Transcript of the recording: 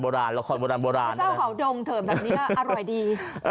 พระเจ้าขาวดงตรงนี้อร่อยดี